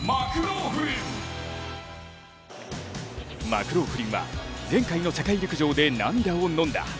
マクローフリンは前回の世界陸上で涙をのんだ。